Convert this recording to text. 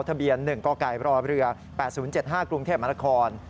ทะเบียน๑กกรเรือ๘๐๗๕กรุงเทพมนาคม